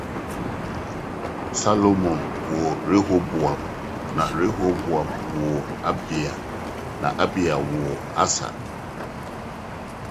Gooding Senior later became a minor actor himself.